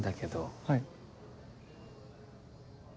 はい。